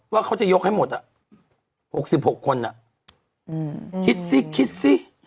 ว่าเขาจะยกให้หมดอ่ะ๖๖คนอ่ะคิดซิคิดซิ